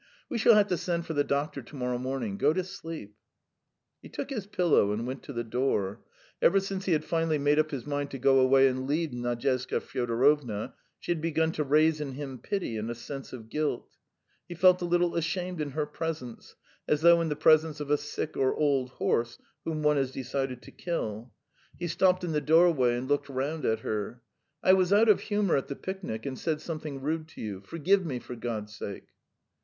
We shall have to send for the doctor to morrow morning. Go to sleep." He took his pillow and went to the door. Ever since he had finally made up his mind to go away and leave Nadyezhda Fyodorovna, she had begun to raise in him pity and a sense of guilt; he felt a little ashamed in her presence, as though in the presence of a sick or old horse whom one has decided to kill. He stopped in the doorway and looked round at her. "I was out of humour at the picnic and said something rude to you. Forgive me, for God's sake!"